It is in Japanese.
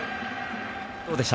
どうでした？